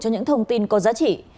cho những thông tin có giá trị